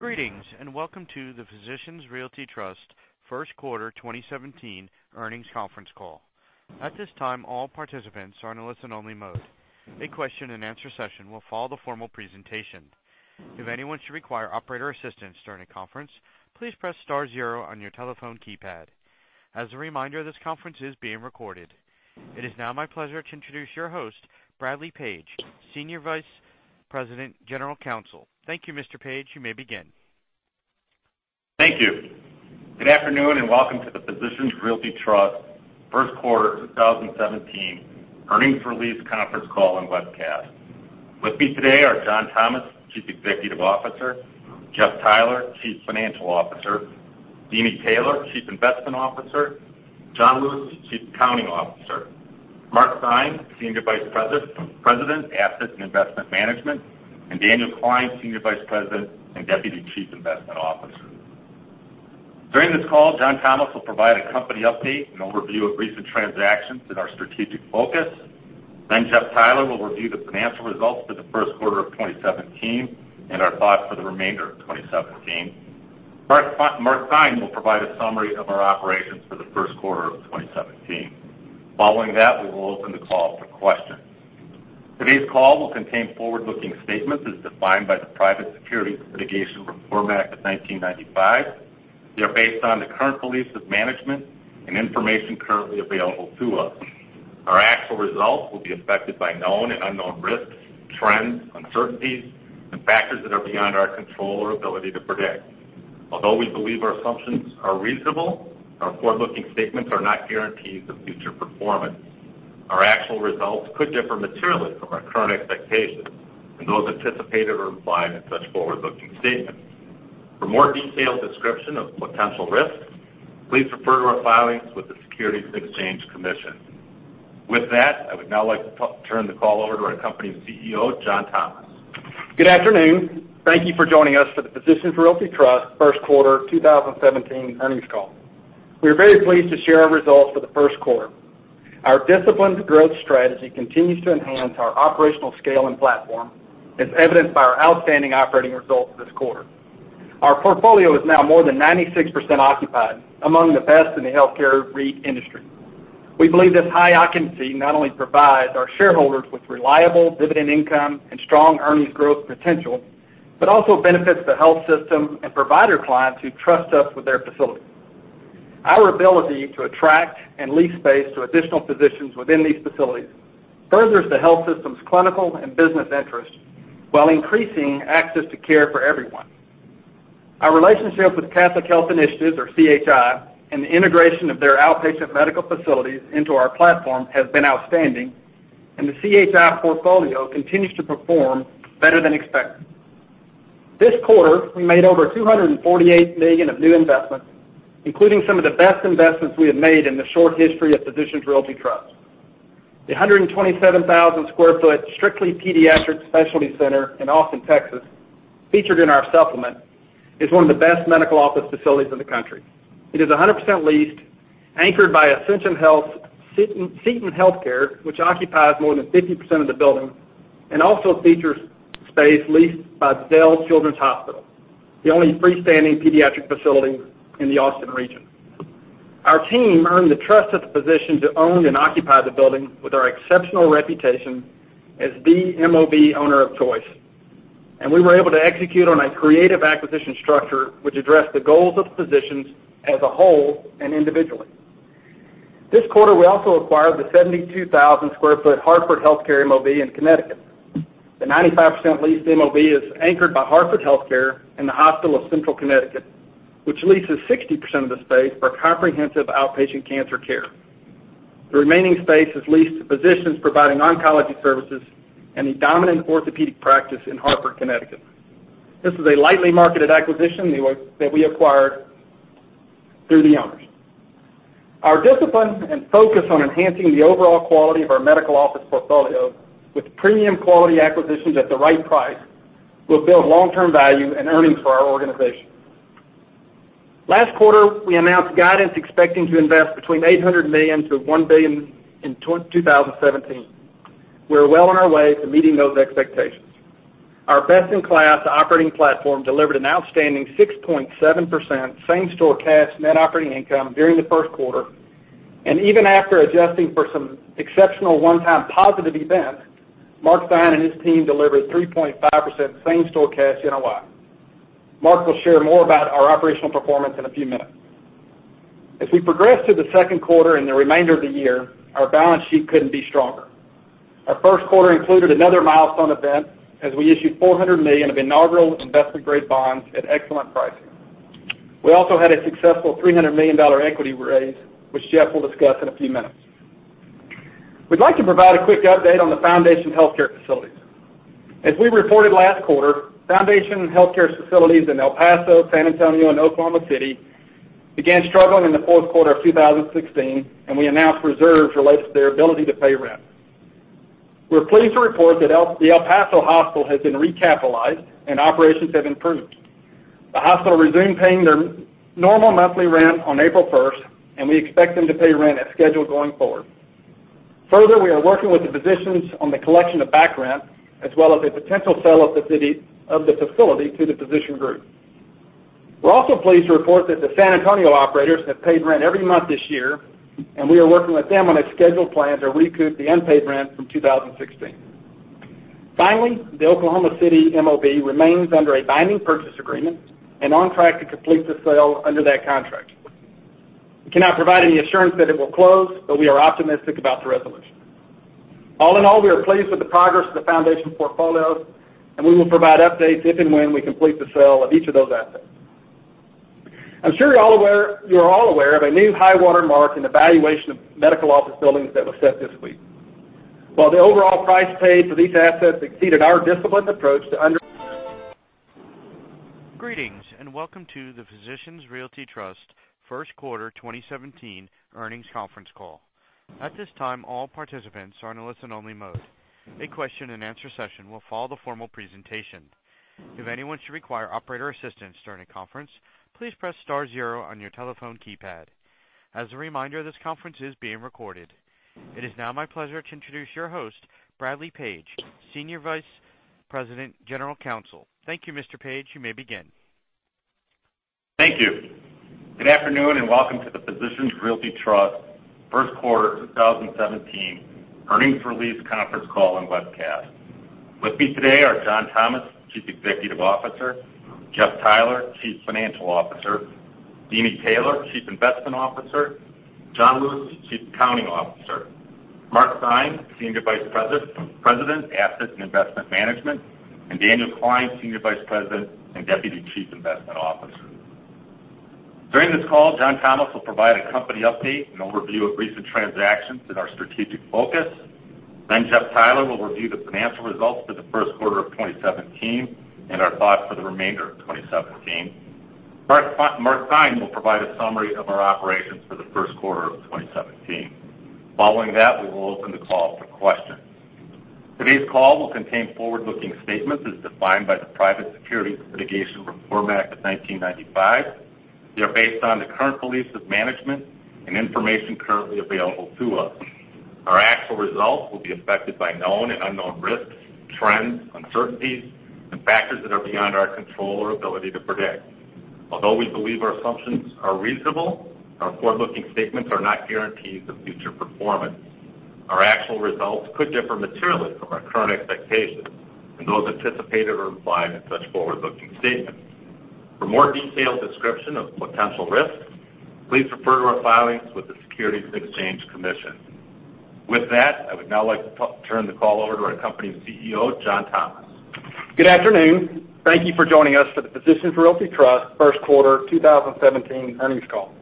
Greetings, welcome to the Physicians Realty Trust first quarter 2017 earnings conference call. At this time, all participants are in listen only mode. A question and answer session will follow the formal presentation. If anyone should require operator assistance during the conference, please press star zero on your telephone keypad. As a reminder, this conference is being recorded. It is now my pleasure to introduce your host, John T. Thomas, senior vice president, general counsel. Thank you, Mr. Thomas. You may begin. Thank you. Good afternoon, welcome to the Physicians Realty Trust first quarter 2017 earnings release conference call and webcast. With me today are John Thomas, chief executive officer, Jeff Theiler, chief financial officer, Deeni Taylor, chief investment officer, John Lucey, chief accounting officer, Mark Theine, senior vice president, asset and investment management, and Daniel Klein, senior vice president and deputy chief investment officer. During this call, John Thomas will provide a company update and overview of recent transactions and our strategic focus. Jeff Theiler will review the financial results for the first quarter of 2017 and our thoughts for the remainder of 2017. Mark Theine will provide a summary of our operations for the first quarter of 2017. Following that, we will open the call for questions. Today's call will contain forward-looking statements as defined by the Private Securities Litigation Reform Act of 1995. They are based on the current beliefs of management and information currently available to us. Our actual results will be affected by known and unknown risks, trends, uncertainties, and factors that are beyond our control or ability to predict. Although we believe our assumptions are reasonable, our forward-looking statements are not guarantees of future performance. Our actual results could differ materially from our current expectations and those anticipated or implied in such forward-looking statements. For more detailed description of potential risks, please refer to our filings with the Securities and Exchange Commission. With that, I would now like to turn the call over to our company CEO, John Thomas. Good afternoon. Thank you for joining us for the Physicians Realty Trust first quarter 2017 earnings call. We are very pleased to share our results for the first quarter. Our disciplined growth strategy continues to enhance our operational scale and platform, as evidenced by our outstanding operating results this quarter. Our portfolio is now more than 96% occupied, among the best in the healthcare REIT industry. We believe this high occupancy not only provides our shareholders with reliable dividend income and strong earnings growth potential, but also benefits the health system and provider clients who trust us with their facilities. Our ability to attract and lease space to additional physicians within these facilities furthers the health system's clinical and business interests while increasing access to care for everyone. Our relationship with Catholic Health Initiatives, or CHI, and the integration of their outpatient medical facilities into our platform has been outstanding, and the CHI portfolio continues to perform better than expected. This quarter, we made over $248 million of new investments, including some of the best investments we have made in the short history of Physicians Realty Trust. The 127,000 sq ft strictly pediatric specialty center in Austin, Texas, featured in our supplement, is one of the best medical office facilities in the country. It is 100% leased, anchored by Ascension Seton, which occupies more than 50% of the building and also features space leased by Dell Children's Medical Center, the only freestanding pediatric facility in the Austin region. Our team earned the trust of the physicians to own and occupy the building with our exceptional reputation as the MOB owner of choice, we were able to execute on a creative acquisition structure which addressed the goals of the physicians as a whole and individually. This quarter, we also acquired the 72,000 sq ft Hartford HealthCare MOB in Connecticut. The 95% leased MOB is anchored by Hartford HealthCare and The Hospital of Central Connecticut, which leases 60% of the space for comprehensive outpatient cancer care. The remaining space is leased to physicians providing oncology services and a dominant orthopedic practice in Hartford, Connecticut. This was a lightly marketed acquisition that we acquired through the owners. Our discipline and focus on enhancing the overall quality of our medical office portfolio with premium quality acquisitions at the right price will build long-term value and earnings for our organization. Last quarter, we announced guidance expecting to invest between $800 million-$1 billion in 2017. We are well on our way to meeting those expectations. Our best-in-class operating platform delivered an outstanding 6.7% same-store cash net operating income during the first quarter, and even after adjusting for some exceptional one-time positive events, Mark Theine and his team delivered 3.5% same-store cash NOI. Mark will share more about our operational performance in a few minutes. As we progress through the second quarter and the remainder of the year, our balance sheet couldn't be stronger. Our first quarter included another milestone event as we issued $400 million of inaugural investment-grade bonds at excellent pricing. We also had a successful $300 million equity raise, which Jeff will discuss in a few minutes. We'd like to provide a quick update on the Foundation Health Partners facilities. As we reported last quarter, Foundation Health Partners' facilities in El Paso, San Antonio, and Oklahoma City began struggling in the fourth quarter of 2016, we announced reserves related to their ability to pay rent. We're pleased to report that the El Paso hospital has been recapitalized and operations have improved. The hospital resumed paying their normal monthly rent on April 1st, we expect them to pay rent as scheduled going forward. Further, we are working with the physicians on the collection of back rent, as well as the potential sale of the facility to the physician group. We're also pleased to report that the San Antonio operators have paid rent every month this year, we are working with them on a scheduled plan to recoup the unpaid rent from 2016. Finally, the Oklahoma City MOB remains under a binding purchase agreement and on track to complete the sale under that contract. We cannot provide any assurance that it will close, but we are optimistic about the resolution. All in all, we are pleased with the progress of the foundation portfolios, and we will provide updates if and when we complete the sale of each of those assets. I'm sure you're all aware of a new high water mark in the valuation of medical office buildings that was set this week. While the overall price paid for these assets exceeded our disciplined approach to under- Greetings, welcome to the Physicians Realty Trust first quarter 2017 earnings conference call. At this time, all participants are in a listen only mode. A question and answer session will follow the formal presentation. If anyone should require operator assistance during the conference, please press star zero on your telephone keypad. As a reminder, this conference is being recorded. It is now my pleasure to introduce your host, John Thomas, Senior Vice President, General Counsel. Thank you, Mr. Thomas. You may begin. Thank you. Good afternoon, welcome to the Physicians Realty Trust first quarter 2017 earnings release conference call and webcast. With me today are John Thomas, Chief Executive Officer, Jeff Theiler, Chief Financial Officer, Deeni Taylor, Chief Investment Officer, John Lucey, Chief Accounting Officer, Mark Theine, Senior Vice President, Asset and Investment Management, and Daniel Klein, Senior Vice President and Deputy Chief Investment Officer. During this call, John Thomas will provide a company update and overview of recent transactions and our strategic focus. Jeff Theiler will review the financial results for the first quarter of 2017 and our thoughts for the remainder of 2017. Mark Theine will provide a summary of our operations for the first quarter of 2017. Following that, we will open the call for questions. Today's call will contain forward-looking statements as defined by the Private Securities Litigation Reform Act of 1995. They are based on the current beliefs of management and information currently available to us. Our actual results will be affected by known and unknown risks, trends, uncertainties, and factors that are beyond our control or ability to predict. Although we believe our assumptions are reasonable, our forward-looking statements are not guarantees of future performance. Our actual results could differ materially from our current expectations and those anticipated or implied in such forward-looking statements. For more detailed description of potential risks, please refer to our filings with the Securities and Exchange Commission. With that, I would now like to turn the call over to our company's CEO, John Thomas. Good afternoon. Thank you for joining us for the Physicians Realty Trust first quarter 2017 earnings call.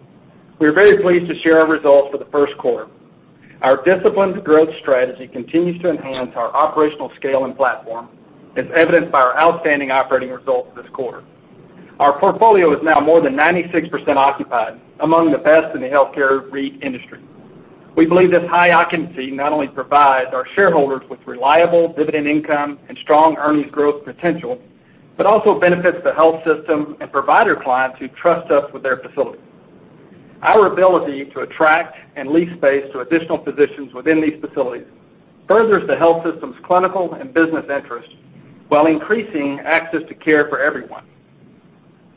We are very pleased to share our results for the first quarter. Our disciplined growth strategy continues to enhance our operational scale and platform, as evidenced by our outstanding operating results this quarter. Our portfolio is now more than 96% occupied, among the best in the healthcare REIT industry. We believe this high occupancy not only provides our shareholders with reliable dividend income and strong earnings growth potential, but also benefits the health system and provider clients who trust us with their facilities. Our ability to attract and lease space to additional physicians within these facilities furthers the health system's clinical and business interests while increasing access to care for everyone.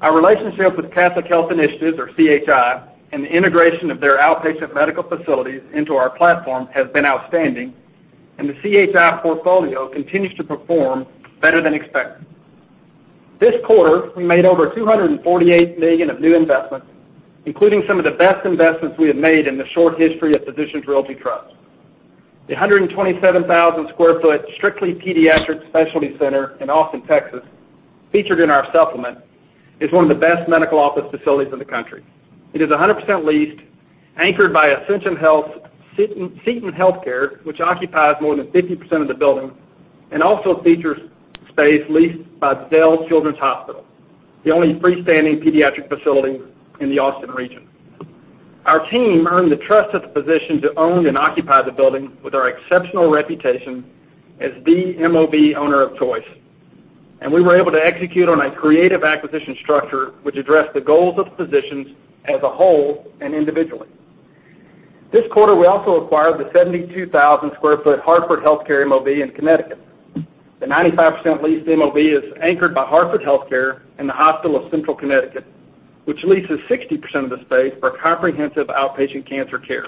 Our relationship with Catholic Health Initiatives, or CHI, and the integration of their outpatient medical facilities into our platform has been outstanding. The CHI portfolio continues to perform better than expected. This quarter, we made over $248 million of new investments, including some of the best investments we have made in the short history of Physicians Realty Trust. The 127,000 square foot strictly pediatric specialty center in Austin, Texas, featured in our supplement, is one of the best medical office facilities in the country. It is 100% leased, anchored by Ascension Health Seton Healthcare, which occupies more than 50% of the building and also features space leased by Dell Children's Medical Center, the only freestanding pediatric facility in the Austin region. Our team earned the trust of the physicians to own and occupy the building with our exceptional reputation as the MOB owner of choice. We were able to execute on a creative acquisition structure, which addressed the goals of the physicians as a whole and individually. This quarter, we also acquired the 72,000 square foot Hartford HealthCare MOB in Connecticut. The 95% leased MOB is anchored by Hartford HealthCare and The Hospital of Central Connecticut, which leases 60% of the space for comprehensive outpatient cancer care.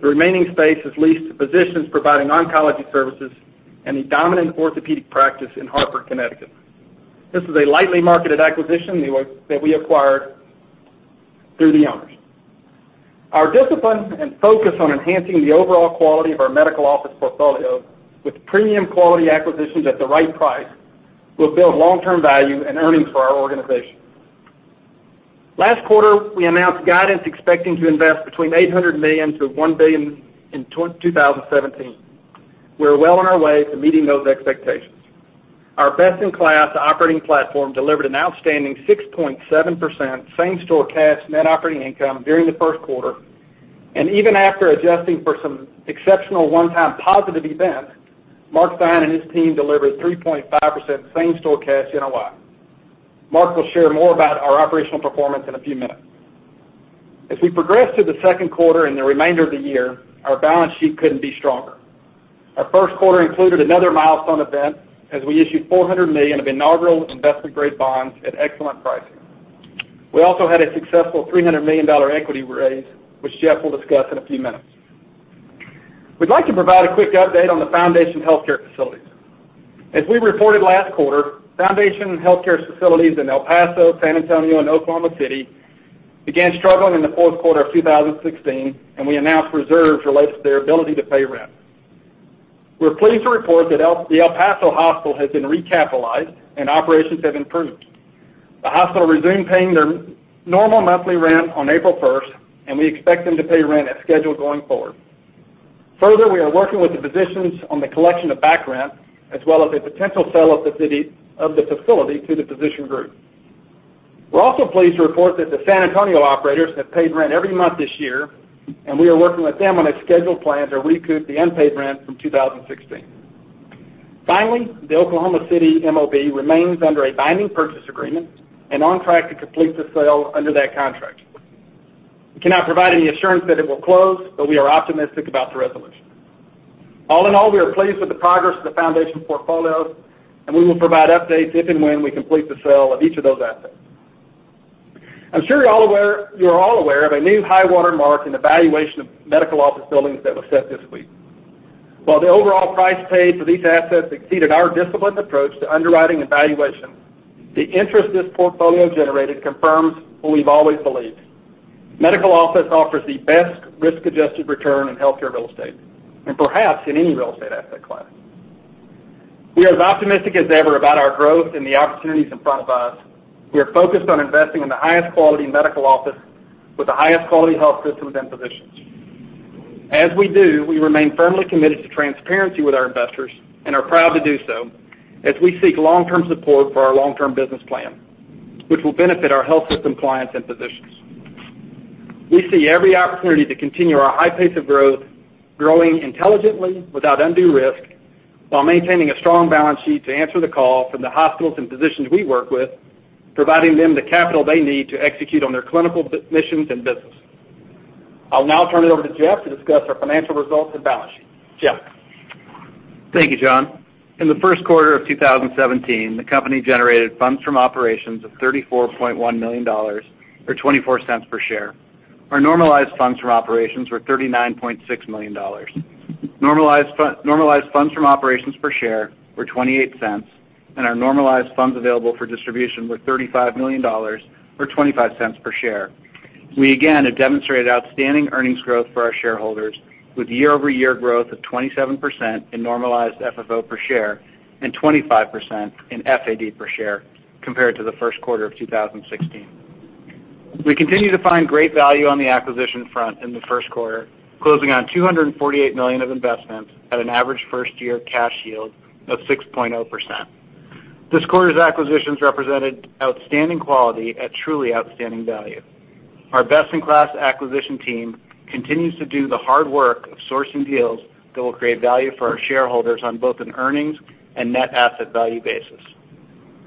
The remaining space is leased to physicians providing oncology services and a dominant orthopedic practice in Hartford, Connecticut. This is a lightly marketed acquisition that we acquired through the owners. Our discipline and focus on enhancing the overall quality of our medical office portfolio with premium quality acquisitions at the right price will build long-term value and earnings for our organization. Last quarter, we announced guidance expecting to invest between $800 million to $1 billion in 2017. We are well on our way to meeting those expectations. Our best-in-class operating platform delivered an outstanding 6.7% same-store cash net operating income during the first quarter. Even after adjusting for some exceptional one-time positive events, Mark Theine and his team delivered 3.5% same-store cash NOI. Mark will share more about our operational performance in a few minutes. As we progress through the second quarter and the remainder of the year, our balance sheet couldn't be stronger. Our first quarter included another milestone event, as we issued $400 million of inaugural investment-grade bonds at excellent pricing. We also had a successful $300 million equity raise, which Jeff will discuss in a few minutes. We'd like to provide a quick update on the Foundation Health Partners facilities. As we reported last quarter, foundation healthcare facilities in El Paso, San Antonio, and Oklahoma City began struggling in the fourth quarter of 2016, and we announced reserves related to their ability to pay rent. We're pleased to report that the El Paso Hospital has been recapitalized and operations have improved. The hospital resumed paying their normal monthly rent on April 1st, and we expect them to pay rent as scheduled going forward. Further, we are working with the physicians on the collection of back rent, as well as the potential sale of the facility to the physician group. We're also pleased to report that the San Antonio operators have paid rent every month this year, and we are working with them on a scheduled plan to recoup the unpaid rent from 2016. The Oklahoma City MOB remains under a binding purchase agreement and on track to complete the sale under that contract. We cannot provide any assurance that it will close, but we are optimistic about the resolution. All in all, we are pleased with the progress of the foundation portfolios, and we will provide updates if and when we complete the sale of each of those assets. I'm sure you're all aware of a new high water mark in evaluation of medical office buildings that was set this week. While the overall price paid for these assets exceeded our disciplined approach to underwriting evaluation, the interest this portfolio generated confirms what we've always believed. Medical office offers the best risk-adjusted return in healthcare real estate, and perhaps in any real estate asset class. We are as optimistic as ever about our growth and the opportunities in front of us. We are focused on investing in the highest quality medical office with the highest quality health systems and physicians. As we do, we remain firmly committed to transparency with our investors and are proud to do so, as we seek long-term support for our long-term business plan, which will benefit our health system clients and physicians. We see every opportunity to continue our high pace of growth, growing intelligently without undue risk, while maintaining a strong balance sheet to answer the call from the hospitals and physicians we work with, providing them the capital they need to execute on their clinical missions and business. I'll now turn it over to Jeff to discuss our financial results and balance sheet. Jeff. Thank you, John. In the first quarter of 2017, the company generated funds from operations of $34.1 million, or $0.24 per share. Our normalized funds from operations were $39.6 million. Normalized funds from operations per share were $0.28, and our normalized funds available for distribution were $35 million, or $0.25 per share. We again have demonstrated outstanding earnings growth for our shareholders, with year-over-year growth of 27% in normalized FFO per share and 25% in FAD per share compared to the first quarter of 2016. We continue to find great value on the acquisition front in the first quarter, closing on $248 million of investments at an average first-year cash yield of 6.0%. This quarter's acquisitions represented outstanding quality at truly outstanding value. Our best-in-class acquisition team continues to do the hard work of sourcing deals that will create value for our shareholders on both an earnings and net asset value basis.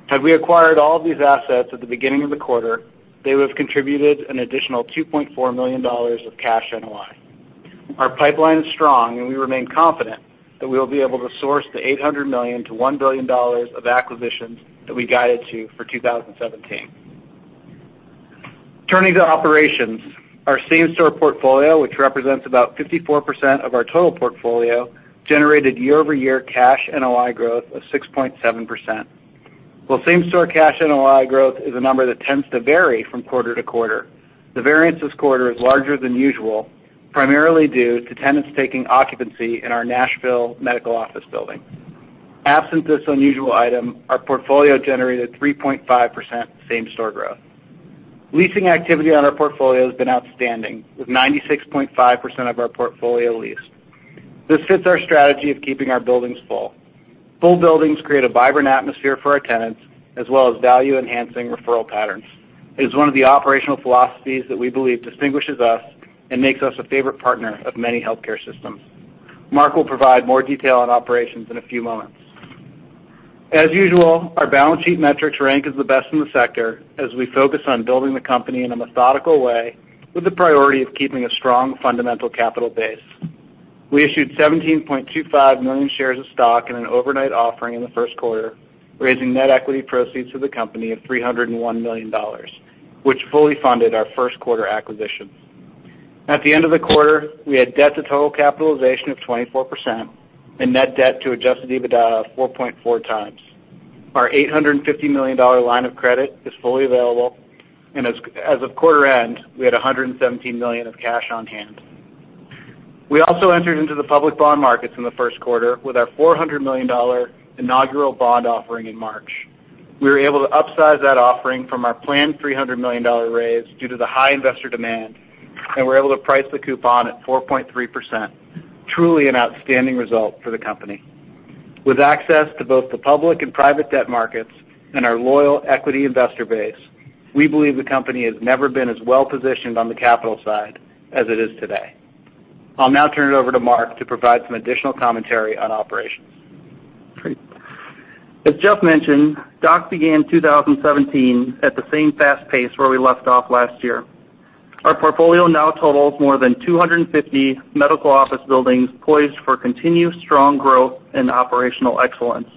Had we acquired all of these assets at the beginning of the quarter, they would have contributed an additional $2.4 million of cash NOI. Our pipeline is strong, and we remain confident that we will be able to source the $800 million-$1 billion of acquisitions that we guided to for 2017. Turning to operations, our same-store portfolio, which represents about 54% of our total portfolio, generated year-over-year cash NOI growth of 6.7%. While same-store cash NOI growth is a number that tends to vary from quarter to quarter, the variance this quarter is larger than usual, primarily due to tenants taking occupancy in our Nashville medical office building. Absent this unusual item, our portfolio generated 3.5% same-store growth. Leasing activity on our portfolio has been outstanding, with 96.5% of our portfolio leased. This fits our strategy of keeping our buildings full. Full buildings create a vibrant atmosphere for our tenants, as well as value-enhancing referral patterns. It is one of the operational philosophies that we believe distinguishes us and makes us a favorite partner of many healthcare systems. Mark will provide more detail on operations in a few moments. As usual, our balance sheet metrics rank as the best in the sector as we focus on building the company in a methodical way with the priority of keeping a strong fundamental capital base. We issued 17.25 million shares of stock in an overnight offering in the first quarter, raising net equity proceeds for the company of $301 million, which fully funded our first quarter acquisitions. At the end of the quarter, we had debt to total capitalization of 24% and net debt to adjusted EBITDA of 4.4 times. Our $850 million line of credit is fully available, and as of quarter end, we had $117 million of cash on hand. We also entered into the public bond markets in the first quarter with our $400 million inaugural bond offering in March. We were able to upsize that offering from our planned $300 million raise due to the high investor demand, and were able to price the coupon at 4.3%, truly an outstanding result for the company. With access to both the public and private debt markets and our loyal equity investor base, we believe the company has never been as well-positioned on the capital side as it is today. I'll now turn it over to Mark to provide some additional commentary on operations. Great. As Jeff mentioned, DOC began 2017 at the same fast pace where we left off last year. Our portfolio now totals more than 250 medical office buildings poised for continued strong growth and operational excellence.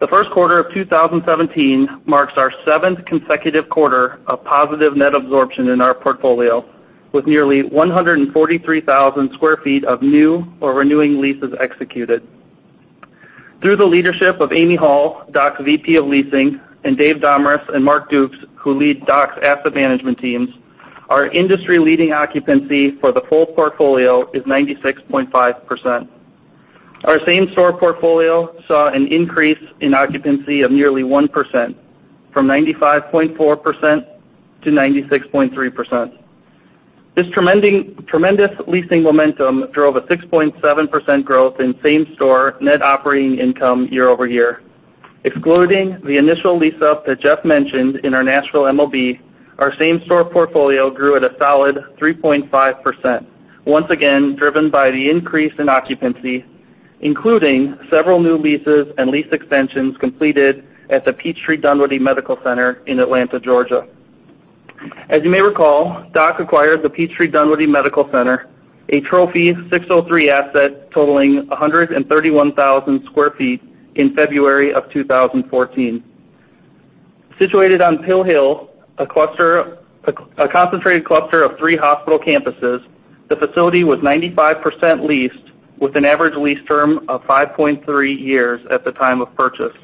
The first quarter of 2017 marks our seventh consecutive quarter of positive net absorption in our portfolio, with nearly 143,000 sq ft of new or renewing leases executed. Through the leadership of Amy Hall, DOC's VP of Leasing, and Deeni Taylor and Mark Dukes, who lead DOC's asset management teams, our industry-leading occupancy for the full portfolio is 96.5%. Our same-store portfolio saw an increase in occupancy of nearly 1%, from 95.4% to 96.3%. This tremendous leasing momentum drove a 6.7% growth in same-store net operating income year-over-year. Excluding the initial lease-up that Jeff mentioned in our Nashville MOB, our same-store portfolio grew at a solid 3.5%, once again driven by the increase in occupancy, including several new leases and lease extensions completed at the Peachtree Dunwoody Medical Center in Atlanta, Georgia. As you may recall, DOC acquired the Peachtree Dunwoody Medical Center, a trophy 603 asset totaling 131,000 sq ft, in February of 2014. Situated on Pill Hill, a concentrated cluster of three hospital campuses, the facility was 95% leased with an average lease term of 5.3 years at the time of purchase.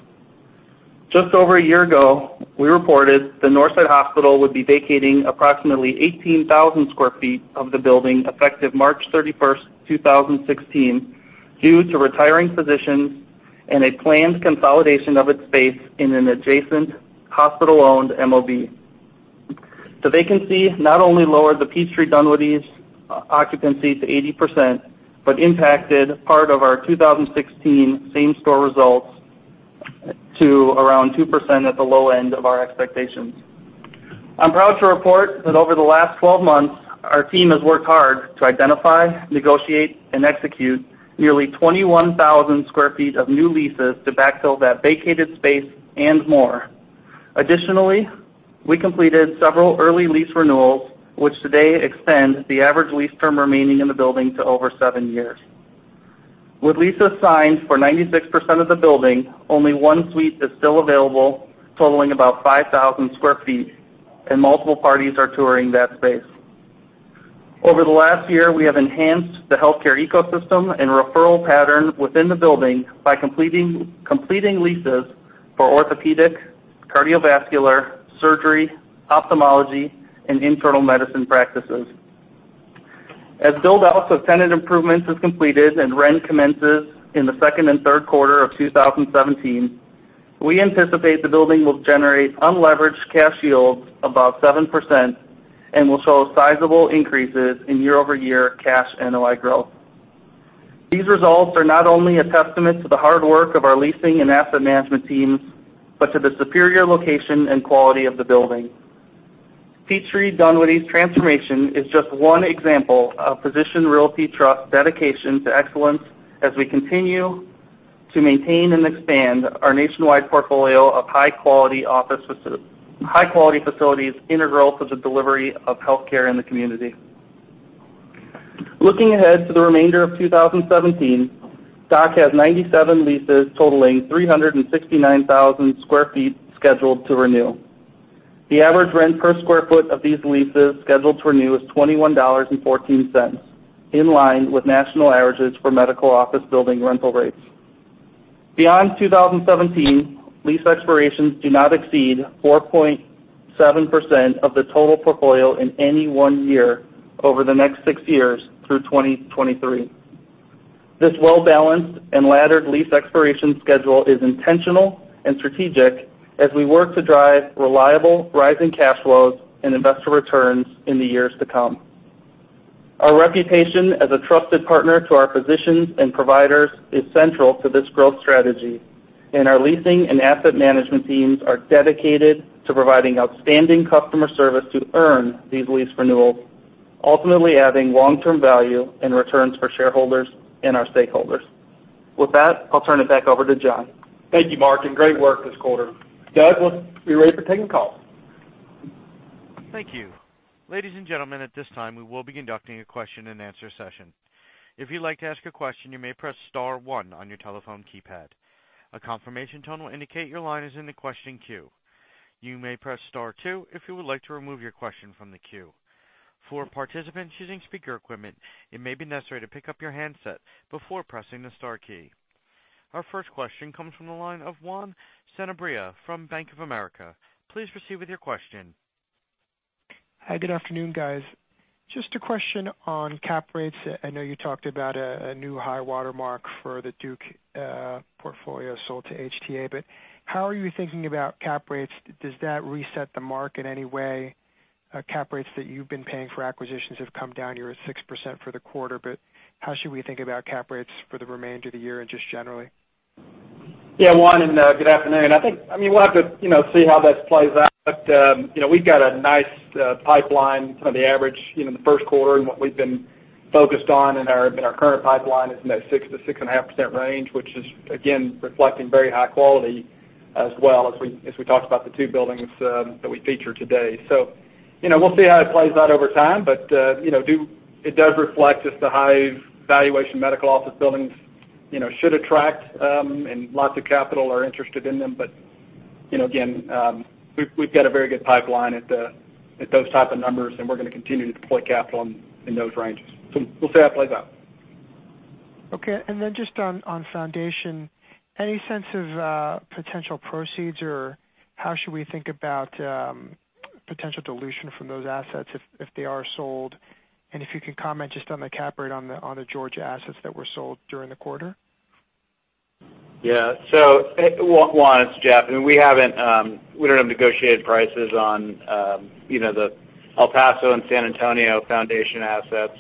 Just over a year ago, we reported that Northside Hospital would be vacating approximately 18,000 sq ft of the building effective March 31st, 2016, due to retiring physicians and a planned consolidation of its space in an adjacent hospital-owned MOB. The vacancy not only lowered the Peachtree Dunwoody's occupancy to 80%, but impacted part of our 2016 same-store results to around 2% at the low end of our expectations. I'm proud to report that over the last 12 months, our team has worked hard to identify, negotiate, and execute nearly 21,000 sq ft of new leases to backfill that vacated space and more. Additionally, we completed several early lease renewals, which today extend the average lease term remaining in the building to over seven years. With leases signed for 96% of the building, only one suite is still available, totaling about 5,000 sq ft, and multiple parties are touring that space. Over the last year, we have enhanced the healthcare ecosystem and referral pattern within the building by completing leases for orthopedic, cardiovascular, surgery, ophthalmology, and internal medicine practices. As build-outs of tenant improvements is completed and rent commences in the second and third quarter of 2017, we anticipate the building will generate unleveraged cash yields above 7% and will show sizable increases in year-over-year cash NOI growth. These results are not only a testament to the hard work of our leasing and asset management teams, but to the superior location and quality of the building. Peachtree Dunwoody's transformation is just one example of Physicians Realty Trust's dedication to excellence as we continue to maintain and expand our nationwide portfolio of high-quality facilities integral to the delivery of healthcare in the community. Looking ahead to the remainder of 2017, DOC has 97 leases totaling 369,000 sq ft scheduled to renew. The average rent per sq ft of these leases scheduled to renew is $21.14, in line with national averages for medical office building rental rates. Beyond 2017, lease expirations do not exceed 4.7% of the total portfolio in any one year over the next six years through 2023. This well-balanced and laddered lease expiration schedule is intentional and strategic as we work to drive reliable rising cash flows and investor returns in the years to come. Our reputation as a trusted partner to our physicians and providers is central to this growth strategy, and our leasing and asset management teams are dedicated to providing outstanding customer service to earn these lease renewals, ultimately adding long-term value and returns for shareholders and our stakeholders. With that, I'll turn it back over to John. Thank you, Mark, and great work this quarter. Doug, we're ready to take some calls. Thank you. Ladies and gentlemen, at this time, we will be conducting a question-and-answer session. If you'd like to ask a question, you may press *1 on your telephone keypad. A confirmation tone will indicate your line is in the questioning queue. You may press *2 if you would like to remove your question from the queue. For participants using speaker equipment, it may be necessary to pick up your handset before pressing the star key. Our first question comes from the line of Juan Sanabria from Bank of America. Please proceed with your question. Hi, good afternoon, guys. Just a question on cap rates. I know you talked about a new high water mark for the Duke portfolio sold to HTA. How are you thinking about cap rates? Does that reset the mark in any way? Cap rates that you've been paying for acquisitions have come down. You're at 6% for the quarter. How should we think about cap rates for the remainder of the year and just generally? Yeah, Juan, good afternoon. I think we'll have to see how this plays out. We've got a nice pipeline. Some of the average, the first quarter and what we've been focused on in our current pipeline is in that 6%-6.5% range, which is again, reflecting very high quality as well as we talked about the two buildings that we feature today. We'll see how it plays out over time. It does reflect just the high valuation medical office buildings should attract, and lots of capital are interested in them. Again, we've got a very good pipeline at those type of numbers, and we're going to continue to deploy capital in those ranges. We'll see how it plays out. Okay. Just on Foundation, any sense of potential proceeds or how should we think about potential dilution from those assets if they are sold? If you could comment just on the cap rate on the Georgia assets that were sold during the quarter. Yeah. Juan, it's Jeff. We don't have negotiated prices on the El Paso and San Antonio Foundation assets.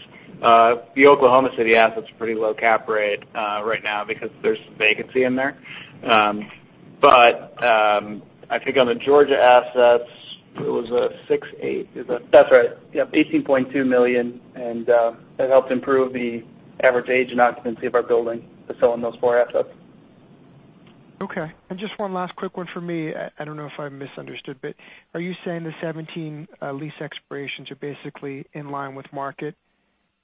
The Oklahoma City assets are pretty low cap rate right now because there's some vacancy in there. I think on the Georgia assets, it was a 6.8%, is that? That's right. Yep, $18.2 million. That helped improve the average age and occupancy of our building by selling those four assets. Okay. Just one last quick one for me. I don't know if I misunderstood, but are you saying the 17 lease expirations are basically in line with market?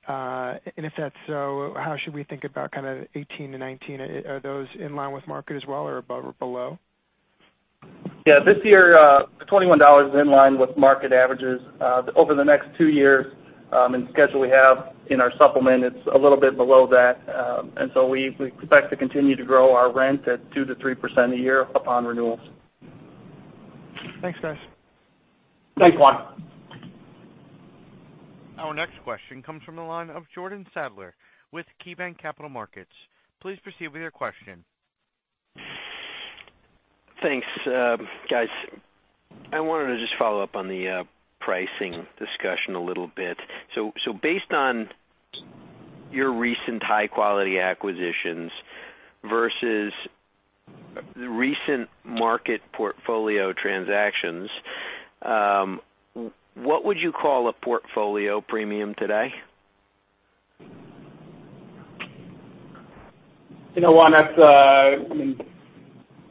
If that's so, how should we think about kind of 2018-2019? Are those in line with market as well or above or below? Yeah. This year, the $21 is in line with market averages. Over the next two years, in the schedule we have in our supplement, it's a little bit below that. We expect to continue to grow our rent at 2%-3% a year upon renewals. Thanks, guys. Thanks, Juan. Our next question comes from the line of Jordan Sadler with KeyBanc Capital Markets. Please proceed with your question. Thanks. Guys, I wanted to just follow up on the pricing discussion a little bit. Based on your recent high-quality acquisitions versus recent market portfolio transactions, what would you call a portfolio premium today? Juan, that's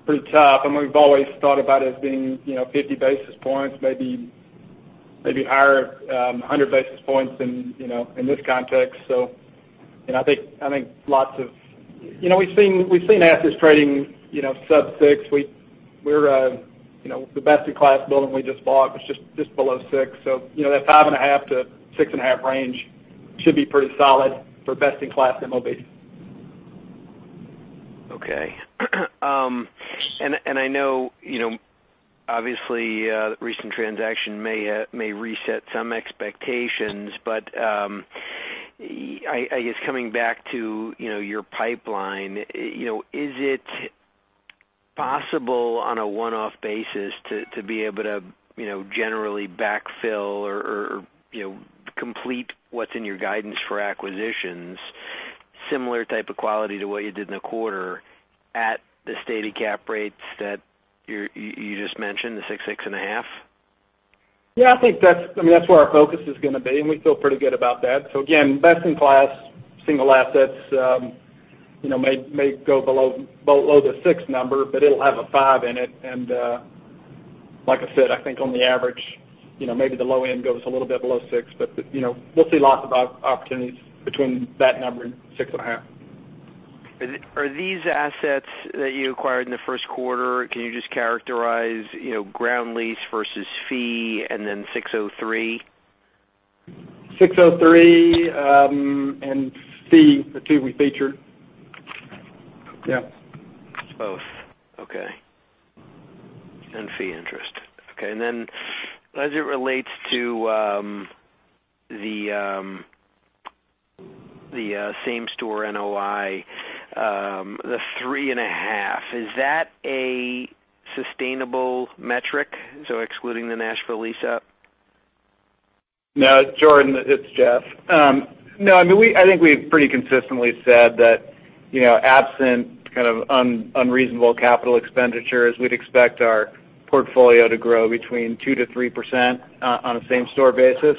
pretty tough, and we've always thought about it as being 50 basis points, maybe higher, 100 basis points in this context. We've seen assets trading sub six. The best-in-class building we just bought was just below six. That 5.5 to 6.5 range should be pretty solid for best-in-class MOBs. Okay. I know, obviously, the recent transaction may reset some expectations, but I guess coming back to your pipeline, is it possible on a one-off basis to be able to generally backfill or complete what's in your guidance for acquisitions, similar type of quality to what you did in the quarter at the stated cap rates that you just mentioned, the 6%, 6.5%? Yeah, I think that's where our focus is gonna be, and we feel pretty good about that. Again, best-in-class single assets may go below the six number, but it'll have a five in it. Like I said, I think on the average, maybe the low end goes a little bit below six, but we'll see lots of opportunities between that number and 6.5. Are these assets that you acquired in the first quarter, can you just characterize, ground lease versus fee and then 603? 603, fee, the two we featured. Yeah. Both. Okay. Fee interest. Okay. As it relates to the same-store NOI, the 3.5, is that a sustainable metric? Excluding the Nashville lease-up. Jordan, it's Jeff. I think we've pretty consistently said that absent kind of unreasonable capital expenditures, we'd expect our portfolio to grow between 2%-3% on a same-store basis.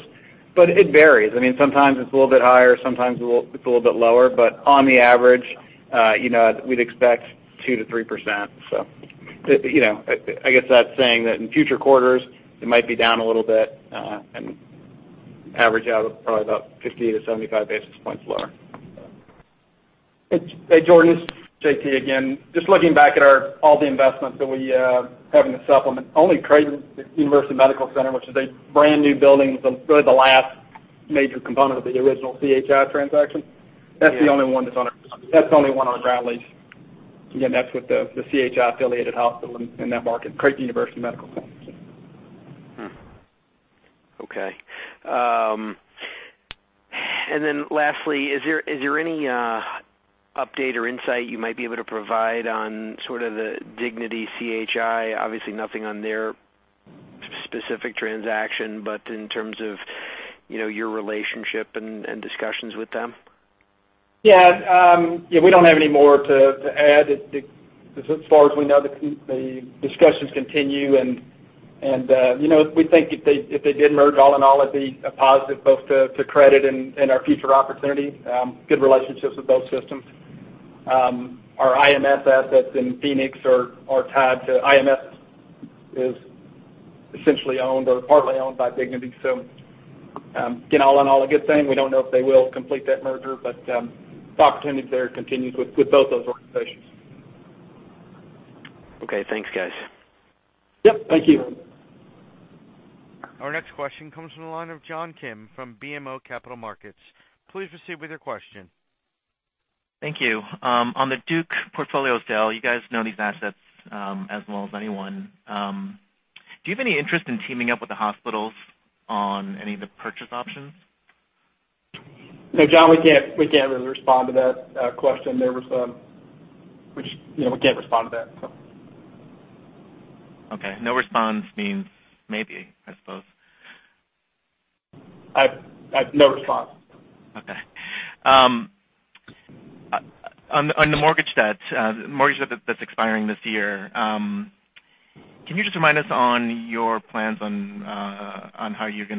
It varies. Sometimes it's a little bit higher, sometimes it's a little bit lower. On the average, we'd expect 2%-3%. I guess that's saying that in future quarters, it might be down a little bit, and average out probably about 50-75 basis points lower. Hey, Jordan, it's JT again. Looking back at all the investments that we have in the supplement, only Creighton University Medical Center, which is a brand-new building, the last major component of the original CHI transaction. Yeah. That's the only one on a ground lease. That's with the CHI-affiliated hospital in that market, Creighton University Medical Center. Lastly, is there any update or insight you might be able to provide on sort of the Dignity, CHI? Nothing on their specific transaction, but in terms of your relationship and discussions with them? Yeah. We don't have any more to add. As far as we know, the discussions continue, and we think if they did merge, all in all, it'd be a positive both to credit and our future opportunities. Good relationships with both systems. Our IMS assets in Phoenix are essentially owned or partly owned by Dignity. Again, all in all, a good thing. We don't know if they will complete that merger, but the opportunities there continues with both those organizations. Okay. Thanks, guys. Yep. Thank you. Our next question comes from the line of John Kim from BMO Capital Markets. Please proceed with your question. Thank you. On the Duke portfolio sale, you guys know these assets as well as anyone. Do you have any interest in teaming up with the hospitals on any of the purchase options? No, John, we can't really respond to that question. We can't respond to that. Okay. No response means maybe, I suppose. No response. Okay. On the mortgage debt that's expiring this year, can you just remind us on your plans on how you're going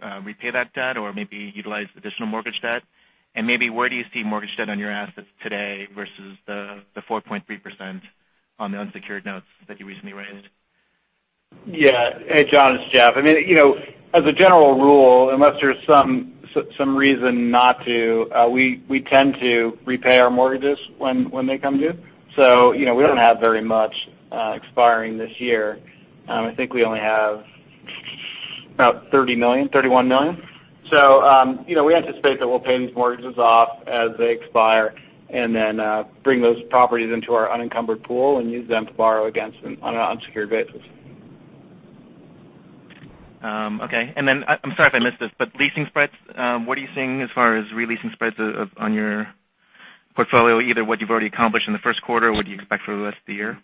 to repay that debt or maybe utilize additional mortgage debt? Maybe where do you see mortgage debt on your assets today versus the 4.3% on the unsecured notes that you recently raised? Yeah. Hey, John, it's Jeff. As a general rule, unless there's some reason not to, we tend to repay our mortgages when they come due. We don't have very much expiring this year. I think we only have about $30 million, $31 million. We anticipate that we'll pay these mortgages off as they expire and then bring those properties into our unencumbered pool and use them to borrow against them on an unsecured basis. Okay. I'm sorry if I missed this, leasing spreads, what are you seeing as far as re-leasing spreads on your portfolio, either what you've already accomplished in the first quarter or what do you expect for the rest of the year?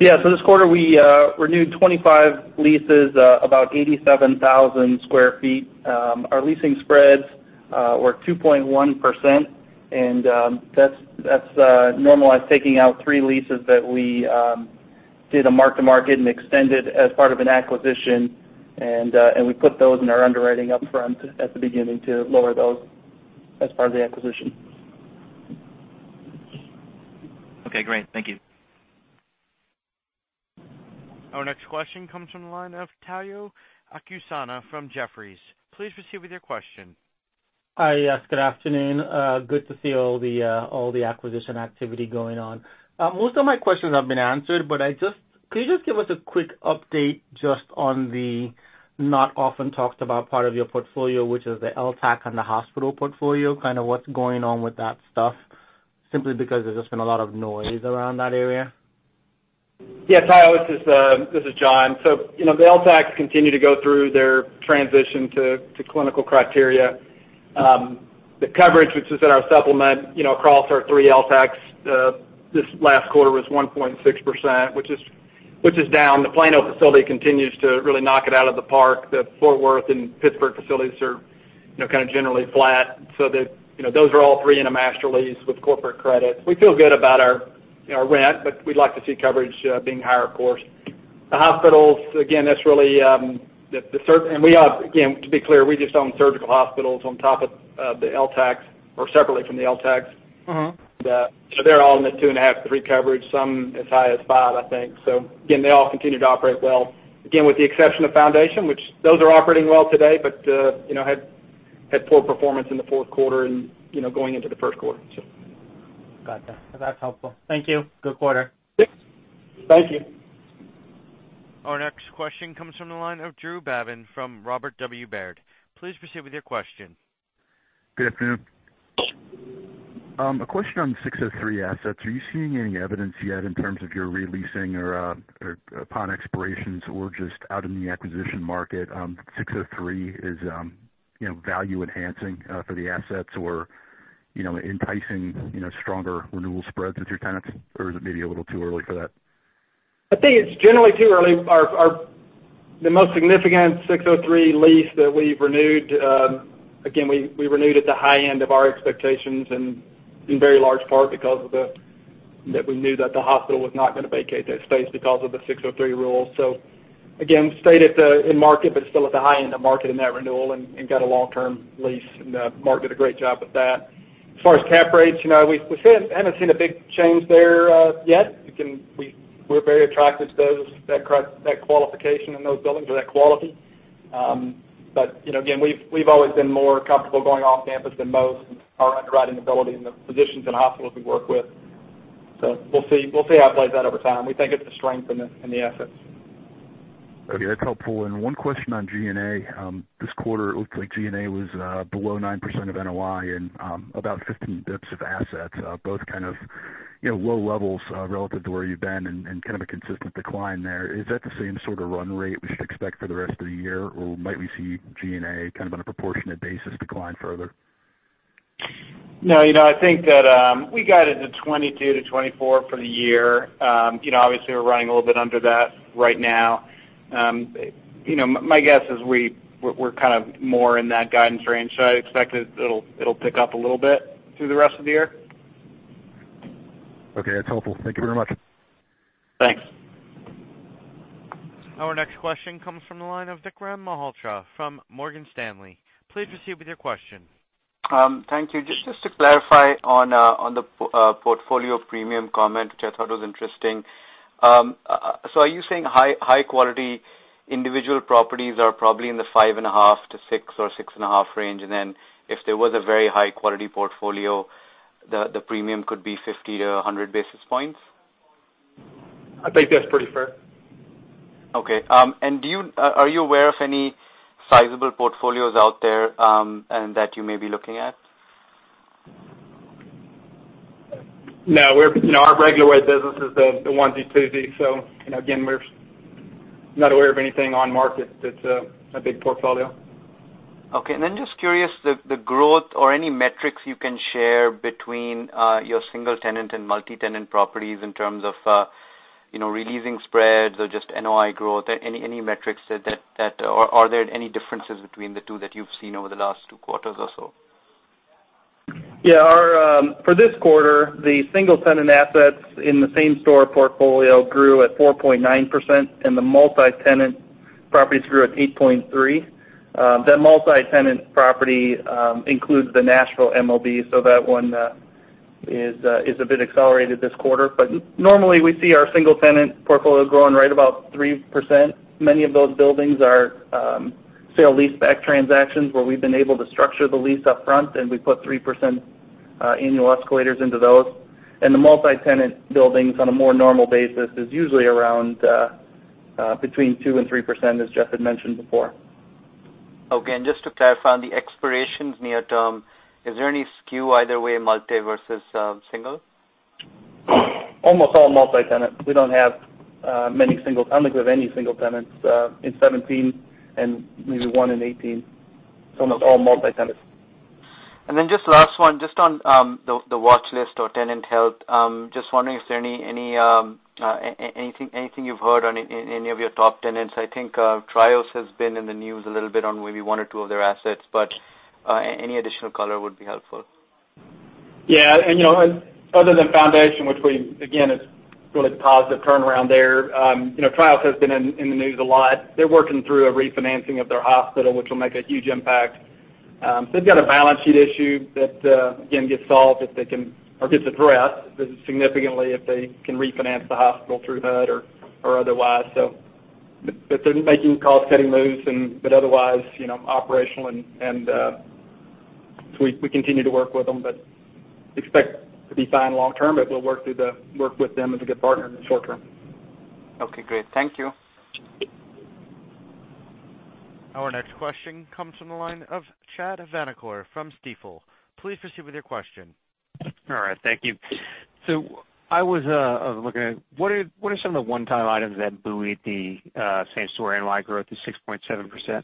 Yeah. This quarter, we renewed 25 leases, about 87,000 sq ft. Our leasing spreads were 2.1%, and that's normalized, taking out three leases that we did a mark to market and extended as part of an acquisition, and we put those in our underwriting upfront at the beginning to lower those as part of the acquisition. Okay, great. Thank you. Our next question comes from the line of Tayo Okusanya from Jefferies. Please proceed with your question. Hi. Yes, good afternoon. Good to see all the acquisition activity going on. Most of my questions have been answered, but could you just give us a quick update just on the not often talked about part of your portfolio, which is the LTAC and the hospital portfolio, kind of what's going on with that stuff, simply because there's just been a lot of noise around that area. Yeah, Tayo, this is John. The LTACs continue to go through their transition to clinical criteria. The coverage, which is in our supplement, across our three LTACs this last quarter was 1.6%, which is down. The Plano facility continues to really knock it out of the park. The Fort Worth and Pittsburgh facilities are kind of generally flat. Those are all three in a master lease with corporate credit. We feel good about our rent, but we'd like to see coverage being higher, of course. The hospitals, again, to be clear, we just own surgical hospitals on top of the LTACs or separately from the LTACs. They're all in the two and a half, three coverage, some as high as five, I think. Again, they all continue to operate well. Again, with the exception of Foundation, which those are operating well today, but had poor performance in the fourth quarter and going into the first quarter. Gotcha. That's helpful. Thank you. Good quarter. Thank you. Our next question comes from the line of Drew Babin from Robert W. Baird. Please proceed with your question. Good afternoon. in very large part because we knew that the hospital was not going to vacate that space because of the 603 rule. Again, stayed in market, but still at the high end of market in that renewal and got a long-term lease, and Mark did a great job with that. As far as cap rates, we haven't seen a big change there yet. We're very attractive to that qualification in those buildings or that quality. Again, we've always been more comfortable going off-campus than most and our underwriting ability and the physicians and hospitals we work with. We'll see how it plays out over time. We think it's a strength in the assets. Okay, that's helpful. One question on G&A. This quarter, it looks like G&A was below 9% of NOI and about 15 basis points of assets, both kind of low levels relative to where you've been and kind of a consistent decline there. Is that the same sort of run rate we should expect for the rest of the year? Or might we see G&A kind of on a proportionate basis decline further? I think that we guided to 22-24 for the year. Obviously, we're running a little bit under that right now. My guess is we're kind of more in that guidance range, I expect that it'll pick up a little bit through the rest of the year. That's helpful. Thank you very much. Thanks. Our next question comes from the line of Vikram Malhotra from Morgan Stanley. Please proceed with your question. Thank you. Just to clarify on the portfolio premium comment, which I thought was interesting. Are you saying high-quality individual properties are probably in the 5.5-6 or 6.5 range, and then if there was a very high-quality portfolio, the premium could be 50-100 basis points? I think that's pretty fair. Okay. Are you aware of any sizable portfolios out there that you may be looking at? No. Our regular way of business is the onesie-twosie. Again, we're not aware of anything on market that's a big portfolio. Okay. Then just curious, the growth or any metrics you can share between your single-tenant and multi-tenant properties in terms of re-leasing spreads or just NOI growth. Any metrics, or are there any differences between the two that you've seen over the last two quarters or so? Yeah. For this quarter, the single-tenant assets in the same-store portfolio grew at 4.9%, and the multi-tenant properties grew at 8.3%. That multi-tenant property includes the Nashville MOB. Normally, we see our single-tenant portfolio growing right about 3%. Many of those buildings are sale-leaseback transactions where we've been able to structure the lease upfront, and we put 3% annual escalators into those. The multi-tenant buildings on a more normal basis is usually around between 2% and 3%, as Jeff had mentioned before. Okay. Just to clarify, on the expirations near term, is there any skew either way, multi versus single? Almost all multi-tenant. We don't have many single tenants in 2017 and maybe one in 2018. It's almost all multi-tenant. Just last one, just on the watch list or tenant health. Just wondering if there anything you've heard on any of your top tenants? I think Trios has been in the news a little bit on maybe one or two of their assets. Any additional color would be helpful. Yeah, other than Foundation, which, again, it's really positive turnaround there. Trios has been in the news a lot. They're working through a refinancing of their hospital, which will make a huge impact. They've got a balance sheet issue that, again, gets solved if they can, or gets addressed significantly if they can refinance the hospital through HUD or otherwise. They're making cost-cutting moves, but otherwise, operational. We continue to work with them, but expect to be fine long term, but we'll work with them as a good partner in the short term. Okay, great. Thank you. Our next question comes from the line of Chad Vanacore from Stifel. Please proceed with your question. All right, thank you. I was looking at it, what are some of the one-time items that buoyed the same-store NOI growth to 6.7%?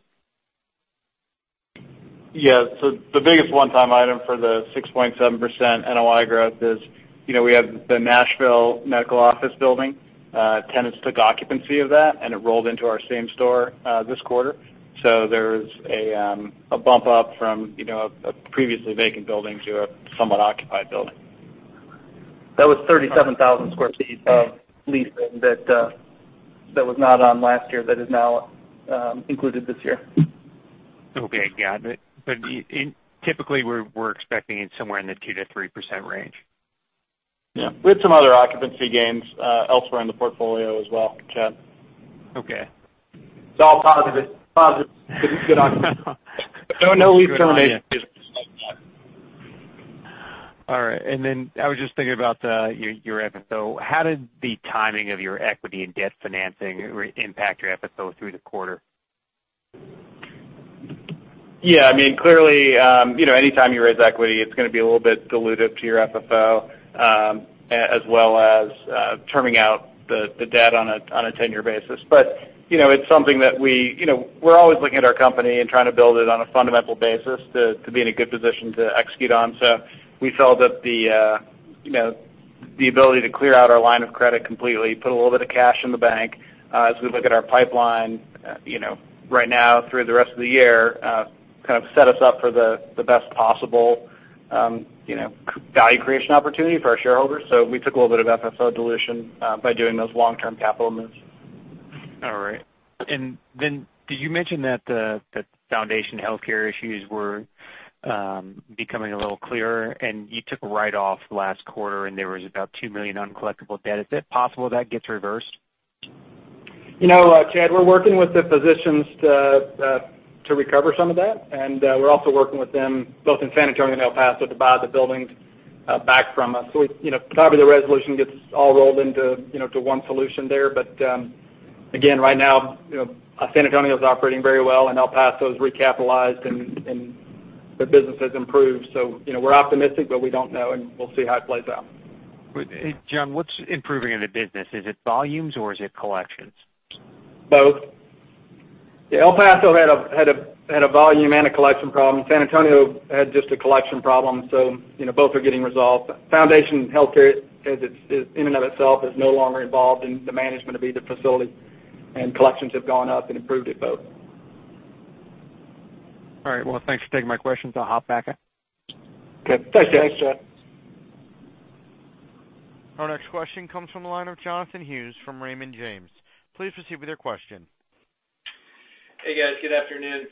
Yeah. The biggest one-time item for the 6.7% NOI growth is we have the Nashville Medical Office Building. Tenants took occupancy of that, and it rolled into our same store this quarter. There's a bump up from a previously vacant building to a somewhat occupied building. That was 37,000 sq ft of leasing that was not on last year that is now included this year. Okay, got it. Typically, we're expecting it somewhere in the 2%-3% range. Yeah. We had some other occupancy gains elsewhere in the portfolio as well, Chad. Okay. It's all positive. Good occupancy. No lease terminations. All right. I was just thinking about your FFO. How did the timing of your equity and debt financing impact your FFO through the quarter? Yeah. Clearly, anytime you raise equity, it's going to be a little bit dilutive to your FFO, as well as turning out the debt on a tenure basis. We're always looking at our company and trying to build it on a fundamental basis to be in a good position to execute on. We felt that the ability to clear out our line of credit completely, put a little bit of cash in the bank, as we look at our pipeline right now through the rest of the year, set us up for the best possible value creation opportunity for our shareholders. We took a little bit of FFO dilution by doing those long-term capital moves. All right. Did you mention that the Foundation Health Partners issues were becoming a little clearer, and you took a write-off last quarter, and there was about $2 million uncollectible debt. Is it possible that gets reversed? Chad, we're working with the physicians to recover some of that. We're also working with them both in San Antonio and El Paso to buy the buildings back from us. Probably the resolution gets all rolled into one solution there. Again, right now, San Antonio is operating very well, and El Paso's recapitalized, and their business has improved. We're optimistic, but we don't know, and we'll see how it plays out. John, what's improving in the business? Is it volumes or is it collections? Both. El Paso had a volume and a collection problem. San Antonio had just a collection problem. Both are getting resolved. Foundation Health Partners, in and of itself, is no longer involved in the management of either facility, and collections have gone up and improved at both. All right. Well, thanks for taking my questions. I'll hop back. Okay. Thanks, Chad. Our next question comes from the line of Jonathan Hughes from Raymond James. Please proceed with your question. Hey, guys. Good afternoon.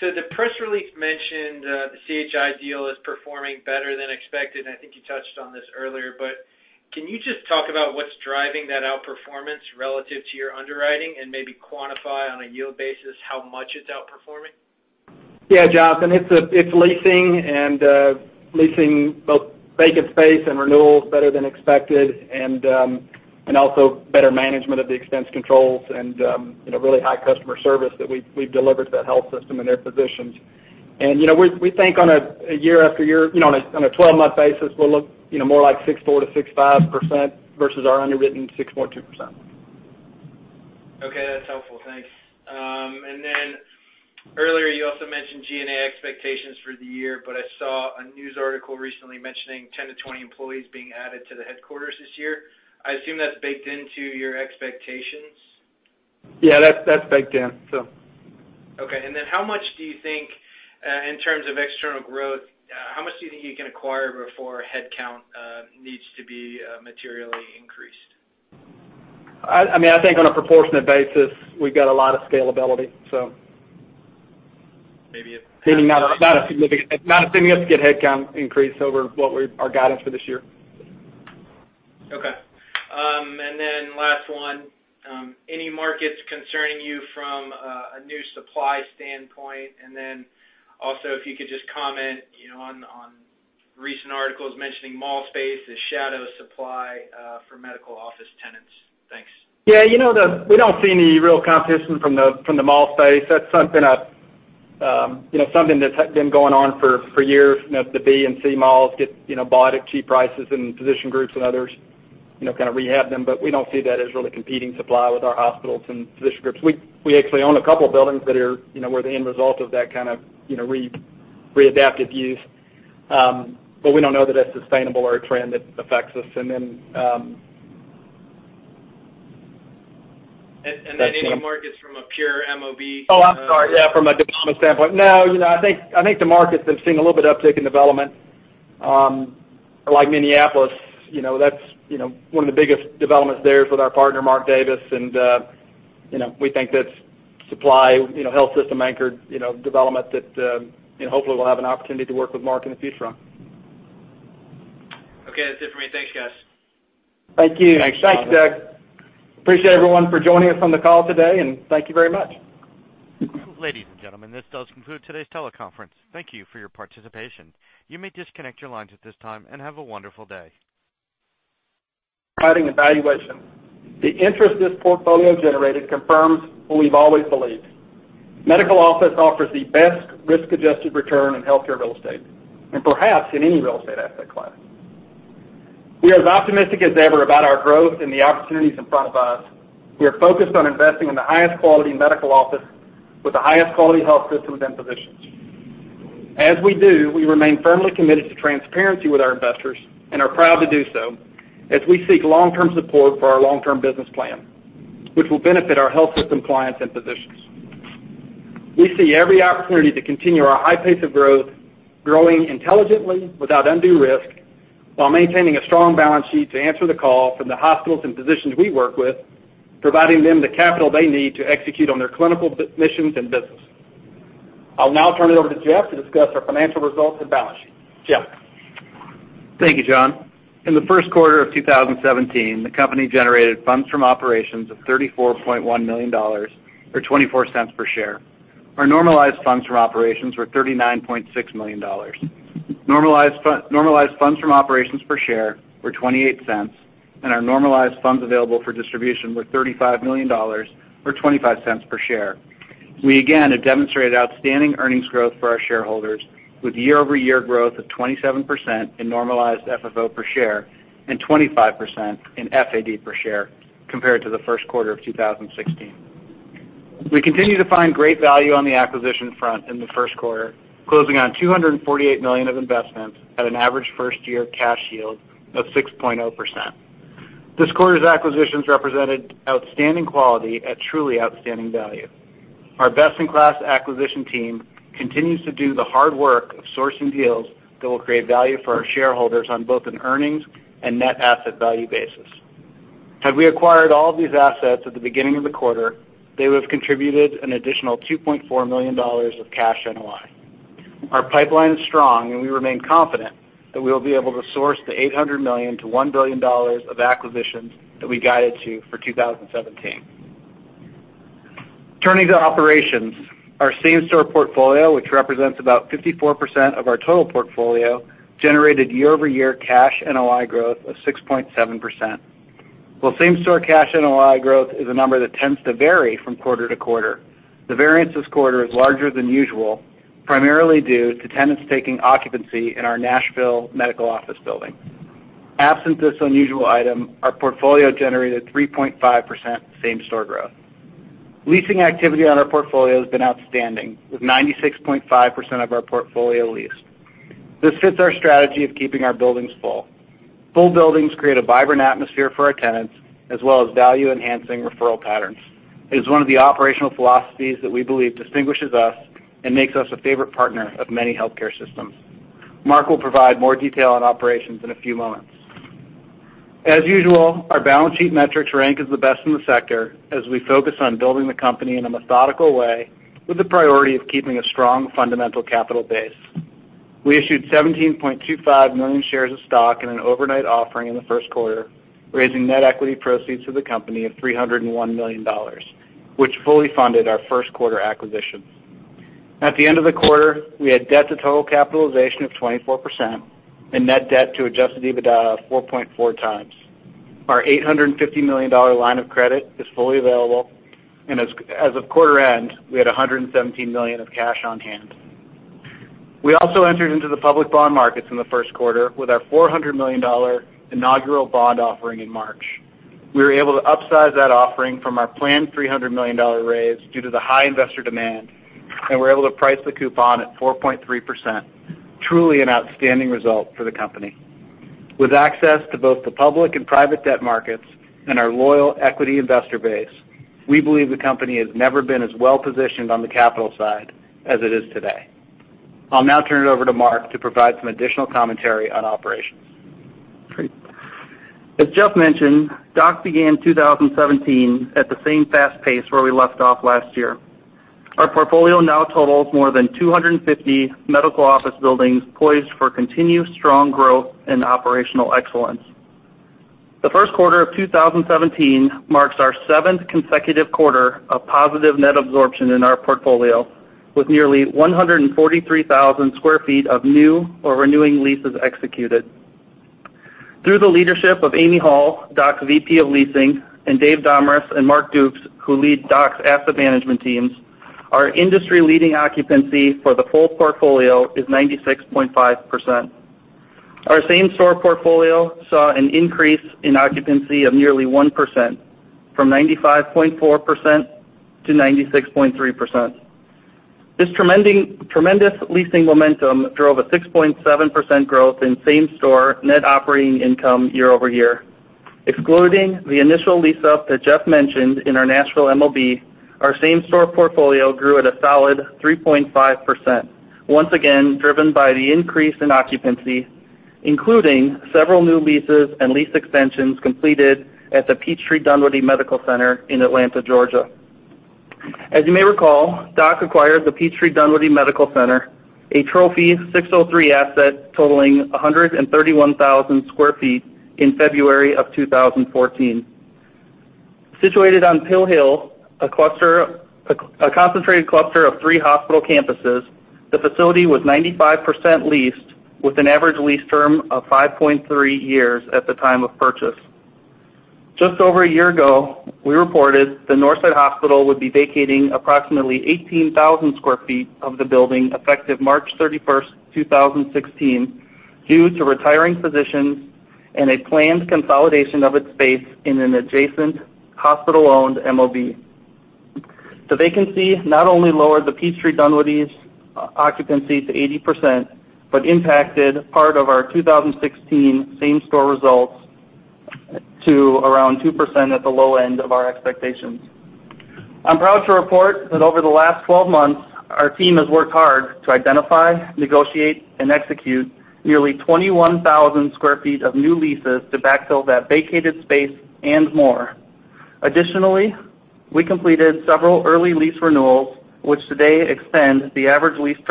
The press release mentioned the CHI deal is performing better than expected, and I think you touched on this earlier, but can you just talk about what's driving that outperformance relative to your underwriting and maybe quantify on a yield basis how much it's outperforming? Jonathan, it's leasing, both vacant space and renewals better than expected, and also better management of the expense controls and really high customer service that we've delivered to that health system and their physicians. We think on a year after year, on a 12-month basis, we'll look more like 6.4%-6.5% versus our underwritten 6.2%. Okay, that's helpful. Thanks. Earlier you also mentioned G&A expectations for the year, but I saw a news article recently mentioning 10 to 20 employees being added to the headquarters this year. I assume that's baked into your expectations. Yeah, that's baked in. Okay. How much do you think, in terms of external growth, how much do you think you can acquire before headcount needs to be materially increased? I think on a proportionate basis, we've got a lot of scalability. Maybe. Not a significant headcount increase over what our guidance for this year. Okay. Last one. Any markets concerning you from a new supply standpoint? Also, if you could just comment on recent articles mentioning mall space as shadow supply for medical office tenants. Thanks. Yeah. We don't see any real competition from the mall space. That's something that's been going on for years. The B and C malls get bought at cheap prices and physician groups and others kind of rehab them. We don't see that as really competing supply with our hospitals and physician groups. We actually own a couple buildings that were the end result of that kind of readaptive use. We don't know that that's sustainable or a trend that affects us. Then any markets from a pure MOB- Oh, I'm sorry. Yeah, from a development standpoint. No, I think the market's been seeing a little bit uptick in development. Like Minneapolis, that's one of the biggest developments there with our partner, Mark Davis, we think that's supply health system-anchored development that hopefully we'll have an opportunity to work with Mark in the future on. Okay. That's it for me. Thanks, guys. Thank you. Thanks. Thanks, Doug. Appreciate everyone for joining us on the call today. Thank you very much. Ladies and gentlemen, this does conclude today's teleconference. Thank you for your participation. You may disconnect your lines at this time. Have a wonderful day.